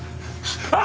あっ。